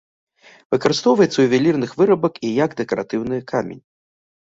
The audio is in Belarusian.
Выкарыстоўваецца ў ювелірных вырабах і як дэкаратыўны камень.